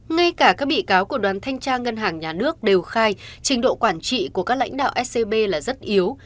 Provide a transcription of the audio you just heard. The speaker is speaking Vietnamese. ngay cả các bị cáo của đoàn thanh tra ngân hàng nhà nước đều khai trình độ quản trị của các lãnh đạo scb là rất yếu